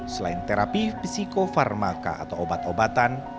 selain terapi psikofarmaka atau obat obatan